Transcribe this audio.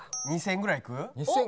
２０００ぐらいいく？